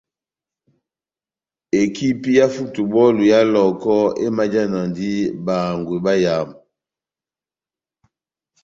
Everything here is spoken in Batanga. Ekipi yá futubɔlu ya Lɔhɔkɔ emajanadi bahangwi bayamu.